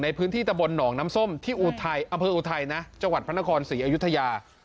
ในพื้นที่ตะบนหนองน้ำส้มที่อุทัยอำเภออุทัยนะจังหวัดพระนครศรีอยุธยา